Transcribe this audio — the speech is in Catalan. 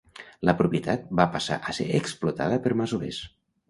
La propietat va passar a ser explotada per masovers.